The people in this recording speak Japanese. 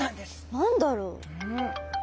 何だろう？